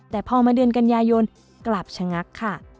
แต่พอมาเดือนกันยายนกลับชะงักค่ะ